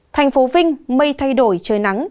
thành phố vinh mây thay đổi trời nắng